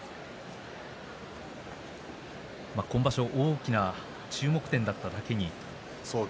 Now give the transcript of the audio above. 今場所の大きな注目点だっただけに。